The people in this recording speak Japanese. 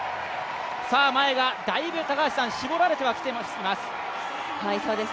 前がだいぶ絞られてはきています。